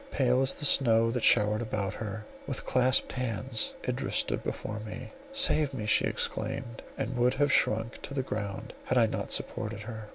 Pale as the snow that showered about her, with clasped hands, Idris stood before me. "Save me!" she exclaimed, and would have sunk to the ground had I not supported her.